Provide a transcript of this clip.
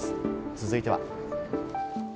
続いては。